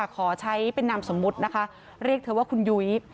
ขอใช้เป็นนามสมมุตินะคะเรียกเธอว่าคุณยุ้ย